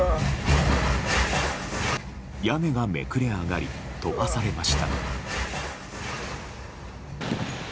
屋根がめくれ上がり飛ばされました。